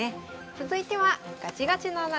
続いてはガチガチの穴熊。